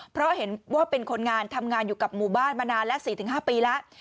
เพราะเห็นว่าเป็นคนงานทำงานอยู่กับหมู่บ้านมานานและ๔๕ปีแล้ว